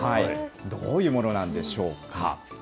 どういうものなんでしょうか。